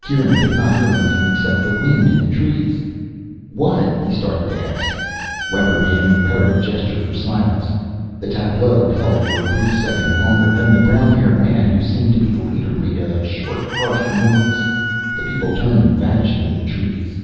Kieran could not hear anything except the wind in the trees. "What ?" he started to ask. Webber made an imperative gesture for silence. The tableau held for a brief second longer. Then the brown haired man who seemed to be the leader made a short harsh noise. The people turned and vanished into the trees.